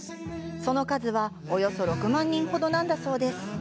その数は、およそ６万人ほどなんだそうです。